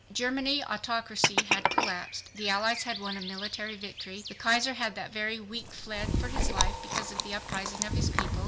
German autocracy had collapsed. The Allies had won a military victory. The Kaiser had that very week fled for his life because of the uprising of his people.